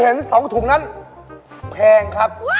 แม่ผมก็ติดคุกตอนผมอายุ๑๕ขวบ